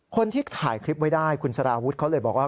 คนที่ถ่ายคลิปไว้ได้คุณสารวุฒิเขาเลยบอกว่า